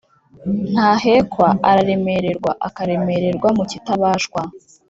Ntahekwa: Araremerwa (akaremerwa mu kitabashwa)